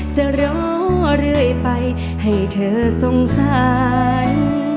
จะรอเรื่อยไปให้เธอสงสาร